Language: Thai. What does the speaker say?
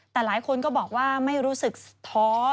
แต่หลายคนก็บอกว่าไม่รู้สึกท้อ